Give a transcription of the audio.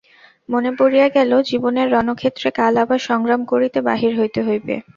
মনে পড়িয়া গেল জীবনের রণক্ষেত্রে কাল আবার সংগ্রাম করিতে বাহির হইতে হইবে।